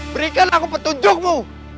berikan aku petunjukmu